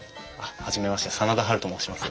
初めまして真田ハルと申します。